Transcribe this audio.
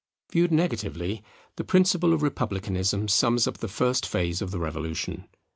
Viewed negatively, the principle of Republicanism sums up the first phase of the Revolution.